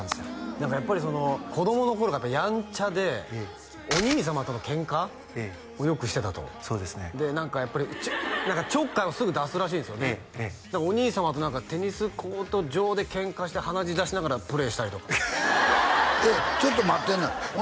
何かやっぱり子供の頃からヤンチャでお兄様とのケンカをよくしてたとそうですねで何かやっぱりちょっかいをすぐ出すらしいんですよねお兄様とテニスコート上でケンカして鼻血出しながらプレーしたりとかちょっと待ってえなお